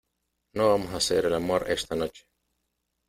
no vamos a hacer el amor esta noche.